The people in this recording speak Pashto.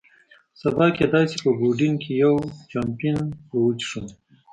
سبا کېدای شي په یوډین کې یو، چامپېن به وڅښو.